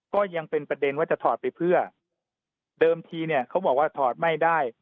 ก็ยังเป็นประเด็นว่าจะถอดไปเพื่อเดิมทีเนี่ยเขาบอกว่าถอดไม่ได้